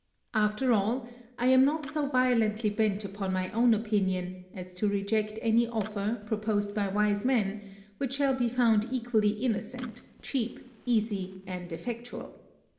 After all, I am not so violently bent upon my own opinion, as to reject any offer, proposed by wise men, which shall be found equally innocent, cheap, easy, and effectual.